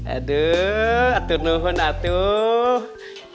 aduh atuh nohon atuh